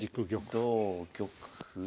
同玉。